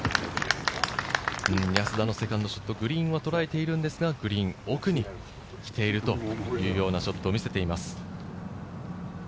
安田のセカンドショット、グリーンはとらえているんですが、グリーン奥に来ているというようなショットを見せています。